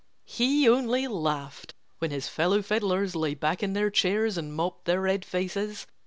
He only laughed when his fellow fiddlers lay back in their chairs and mopped their red faces.